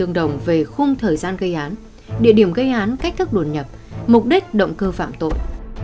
tương đồng về khung thời gian gây án địa điểm gây án cách thức đồn nhập mục đích động cơ phạm tội